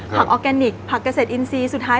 ออร์แกนิคผักเกษตรอินทรีย์สุดท้าย